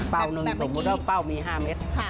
เป้านึงสมมติว่าเป้ามี๕เม็ด